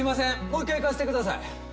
もう一回行かせてください。